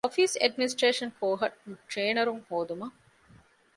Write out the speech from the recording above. އޮފީސް އެޑްމިނިސްޓްރޭޝަން ކޯހަށް ޓްރޭނަރުން ހޯދުމަށް